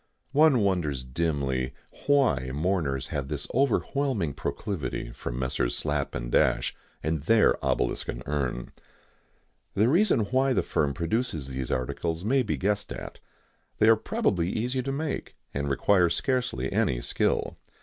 One wonders dimly why mourners have this overwhelming proclivity for Messrs. Slap & Dash and their obelisk and urn. The reason why the firm produces these articles may be guessed at. They are probably easy to make, and require scarcely any skill.